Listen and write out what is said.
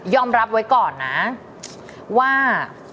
รับไว้ก่อนนะว่า